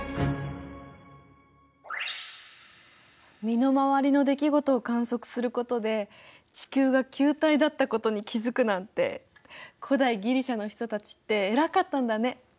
身の回りの出来事を観測することで地球が球体だったことに気付くなんて古代ギリシアの人たちって偉かったんだね。